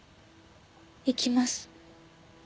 行きます。